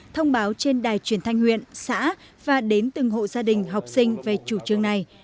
thông báo trên đài truyền thanh huyện xã và đến từng hộ gia đình học sinh về chủ trương này